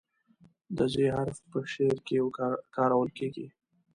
د "ذ" حرف په شعر کې کارول کیږي.